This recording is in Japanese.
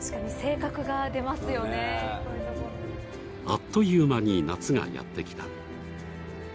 あっという間に夏がやってきた。